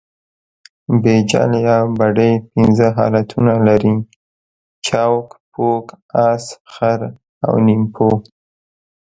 بیجل یا بډۍ پنځه حالتونه لري؛ چوک، پوک، اس، خر او نیمپو.